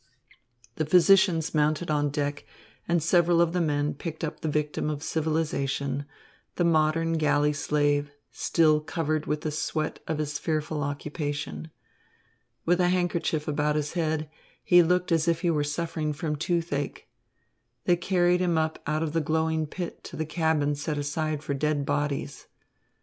The physicians mounted on deck, and several of the men picked up the victim of civilisation, the modern galley slave, still covered with the sweat of his fearful occupation. With the handkerchief about his head, he looked as if he were suffering from toothache. They carried him up out of the glowing pit to the cabin set aside for dead bodies.